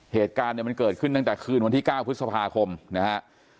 เหตุการณ์เนี่ยมันเกิดขึ้นตั้งแต่คืนวันที่๙พฤษภาคมนะฮะ